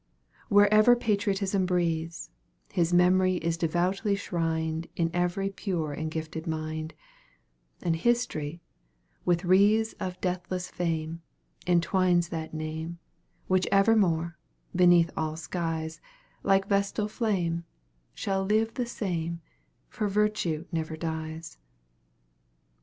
Wherever patriotism breathes, His memory is devoutly shrined In every pure and gifted mind: And history, with wreaths Of deathless fame, entwines that name, Which evermore, beneath all skies, Like vestal flame, shall live the same, For virtue never dies.